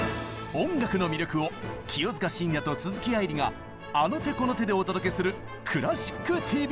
音楽の魅力を清塚信也と鈴木愛理があの手この手でお届けする「クラシックＴＶ」！